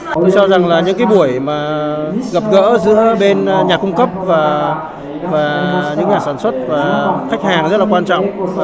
tôi cho rằng là những cái buổi mà gặp gỡ giữa bên nhà cung cấp và những nhà sản xuất và khách hàng rất là quan trọng